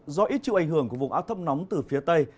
do ít chịu ảnh hưởng của vùng áp thấp nóng từ phía tây